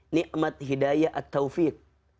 nikmat hidayah at taufiq